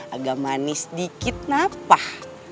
agak manis dikit napah